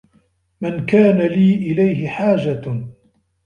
مَنْ كَانَ لِي إلَيْهِ حَاجَةٌ